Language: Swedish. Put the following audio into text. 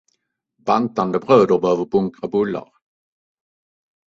Bantande bröder behöver bunkra bullar.